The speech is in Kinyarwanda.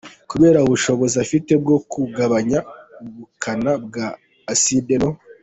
Kubera ubushobozi ifite bwo kugabanya ubukana bwa acide no